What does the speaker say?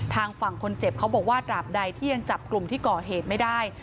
ทางฝั่งคนเจ็บเขาบอกว่าตราบใดที่ยังจับกลุ่มที่ก่อเหตุไม่ได้